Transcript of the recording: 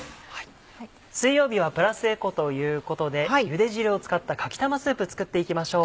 水曜日はプラスエコということでゆで汁を使ったかき玉スープ作っていきましょう。